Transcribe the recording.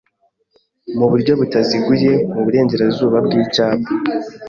mu buryo butaziguye mu Burengerazuba bw'Icyapa